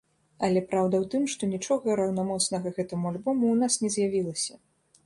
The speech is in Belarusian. Але праўда ў тым, што нічога раўнамоцнага гэтаму альбому ў нас не з'явілася.